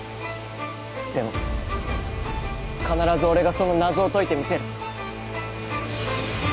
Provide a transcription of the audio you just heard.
でも必ず俺がその謎を解いてみせる。